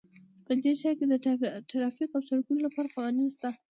په دې ښار کې د ټرافیک او سړکونو لپاره قوانین شته